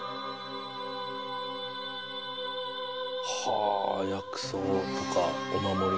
あ薬草とかお守りが。